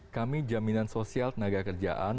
kami jaminan sosial tenaga kerjaan